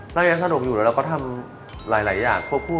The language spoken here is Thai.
นั่งยังสะดวกอยู่แล้วเราก็ทำหลายอย่างควบคุม